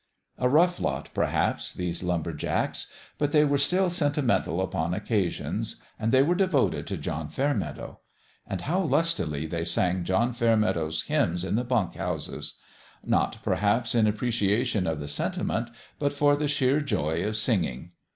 A rough lot, perhaps, these lumber jacks ; but they were still sentimental, upon occasions, and they were devoted to John Fairmeadow. And how lustily they sang John Fairmeadow's hymns in the bunk houses 1 Not, perhaps, in apprecia tion of the sentiment, but for the sheer joy of sing ing.